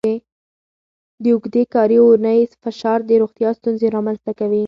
د اوږدې کاري اونۍ فشار د روغتیا ستونزې رامنځته کوي.